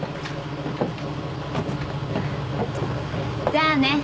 じゃあね。